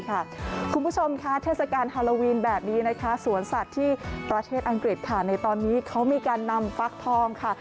คุณผู้ชมค่ะเทศกาลฮาลาวีนแบบนี้สวนสัตว์ที่ประเมิดอังกฤษเค้ามีการนำฟลักทอง